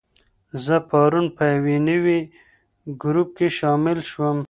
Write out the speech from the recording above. زه پرون په یو نوي ګروپ کې شامل شوم.